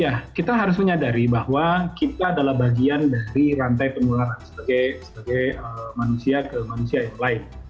ya kita harus menyadari bahwa kita adalah bagian dari rantai penularan sebagai manusia ke manusia yang lain